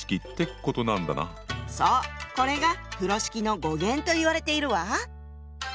そうこれが風呂敷の語源と言われているわ。